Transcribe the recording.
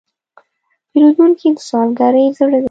پیرودونکی د سوداګرۍ زړه دی.